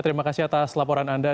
terima kasih atas laporan anda